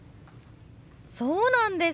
そうなんですか！